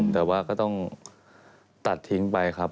แต่ว่าก็ต้องตัดทิ้งไปครับ